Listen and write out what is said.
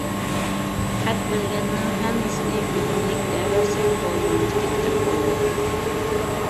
خەت بىلگەننىڭ ھەممىسىنى بىلىملىك دەۋەرسەك بولمامدىكىن دەپ ئويلىدىم.